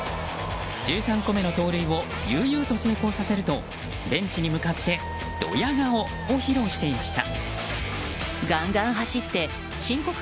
１３個目の盗塁を悠々と成功させるとベンチに向かってドヤ顔を披露していました。